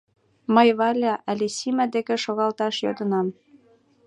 Мый Валя але Сима деке шогалташ йодынам.